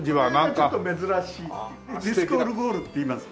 これがちょっと珍しいディスクオルゴールっていいます。